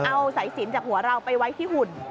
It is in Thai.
เอาสายสินจากหัวเราไปไว้ที่หุ่น